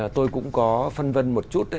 tôi cũng có phân vân một chút